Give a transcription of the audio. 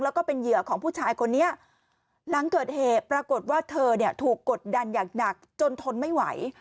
แล้วก็เป็นเหยื่อของผู้ชายคนนี้หลังเกิดเหตุปรากฏว่าเธอเนี่ยถูกกดดันอย่างหนักจนทนไม่ไหว